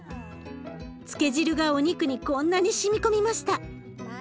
漬け汁がお肉にこんなにしみ込みました。